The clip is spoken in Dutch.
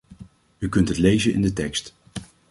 U kunt het lezen in de tekst.